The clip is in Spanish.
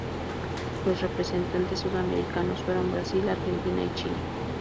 Los representantes sudamericanos fueron Brasil, Argentina y Chile.